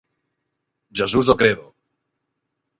Jesús o credo!